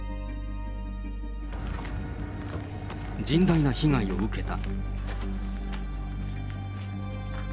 甚大な被害を受けた。